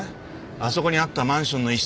あそこにあったマンションの一室で。